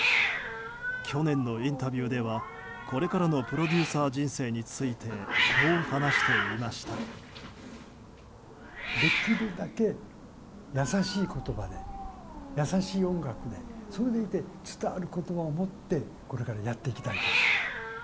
去年のインタビューではこれからのプロデューサー人生についてこう話していました。